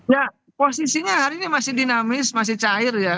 ya posisinya hari ini masih dinamis masih cair ya